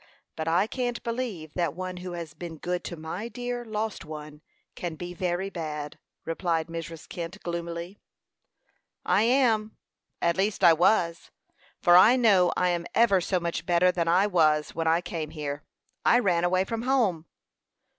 But I can't believe that one who has been good to my dear lost one can be very bad," replied Mrs. Kent, gloomily. "I am at least, I was; for I know I am ever so much better than I was when I came here. I ran away from home!"